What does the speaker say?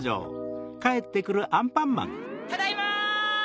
ただいま！